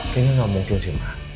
kayaknya gak mungkin sih ma